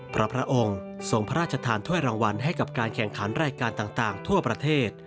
เพราะพระองค์ทรงพระราชทานถ้วยรางวัลให้กับการแข่งขันรายการต่างทั่วประเทศ